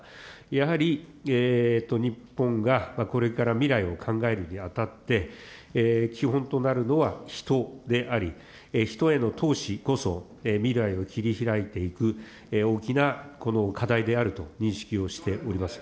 やはり日本がこれから未来を考えるにあたって、基本となるのは人であり、人への投資こそ未来を切りひらいていく大きな課題であると認識をしております。